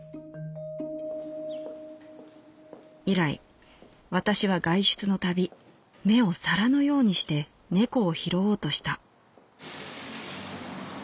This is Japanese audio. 「以来私は外出のたび目を皿のようにして猫を拾おうとした」。